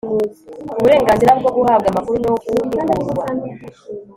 uburenganzira bwo guhabwa amakuru no guhugurwa